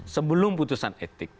sebelum putusan etik